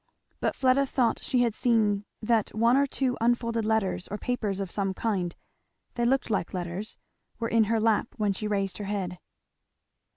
But Fleda thought she had seen that one or two unfolded letters or papers of some kind, they looked like letters, were in her lap when she raised her head.